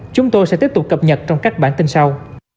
chúng tôi sẽ tiếp tục cập nhật trong các bản tin sau